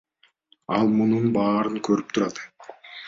Ал мунун баарын көрүп турат.